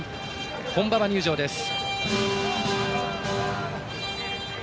本馬場入場です。